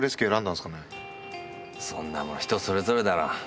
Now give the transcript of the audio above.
そんなもの人それぞれだろ。